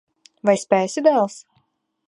Vai spēsi, dēls?